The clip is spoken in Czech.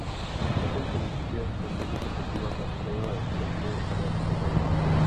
Na tomto místě se můžete podívat na trailer filmu a další detaily.